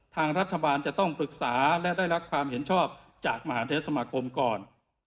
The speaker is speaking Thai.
ทางรัฐบาลจะต้องปรึกษาและได้รับความเห็นชอบจากมหาเทศสมาคมก่อน